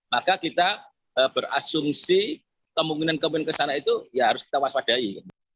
maka kita berasumsi kemungkinan kemungkinan kesana itu ya harus kita waspadai